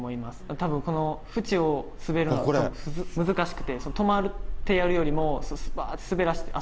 たぶん、この縁を滑るのは難しくて、止まってやるよりも、滑らせて、あっ、